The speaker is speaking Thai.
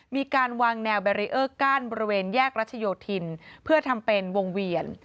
มีการวางแนวแบรีเออร์กั้นบริเวณแยกรัชโยธินเพื่อทำเป็นวงเวียน